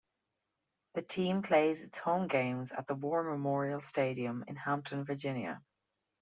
The team plays its home games at the War Memorial Stadium in Hampton, Virginia.